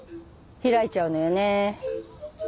開いちゃうのよね。